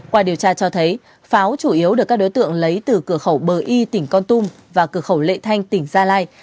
qua điều tra cho thấy pháo chủ yếu được các đối tượng lấy từ cửa khẩu bờ y tỉnh con tum và cửa khẩu lệ thanh tỉnh gia lai